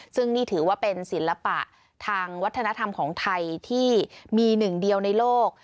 ซึ่งนี่ถือว่าเป็นศิลปะทางวัฒนธรรมของไทยที่มีหนึ่งเดียวในโลก